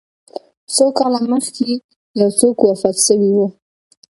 څو کاله مخکي یو څوک وفات سوی و